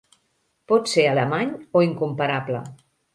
Pot ser alemany o incomparable.